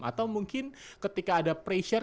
atau mungkin ketika ada pressure